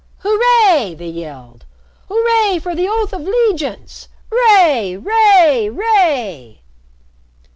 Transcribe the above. "Hooray!" they yelled. "Hooray for the oath of 'legiance! 'Ray! 'ray! 'ray!"